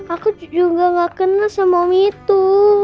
aku juga gak kena sama witu